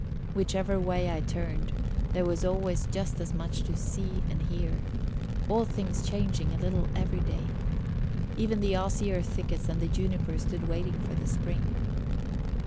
Whichever way I turned, there was always just as much to see and hear all things changing a little every day. Even the osier thickets and the juniper stood waiting for the spring.